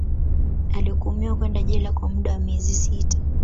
Alihukumiwa kwenda jela kwa muda wa miezi sita